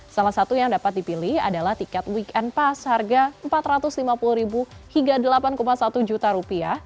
salah satu yang dapat dipilih adalah tiket weekend pass harga rp empat ratus lima puluh hingga rp delapan satu juta